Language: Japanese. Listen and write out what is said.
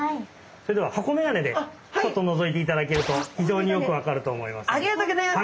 それでは箱メガネでちょっとのぞいていただけると非常によく分かると思います。